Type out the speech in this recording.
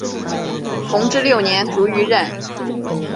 同治六年卒于任。